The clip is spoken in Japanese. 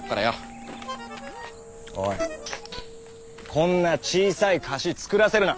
こんな小さい貸し作らせるな。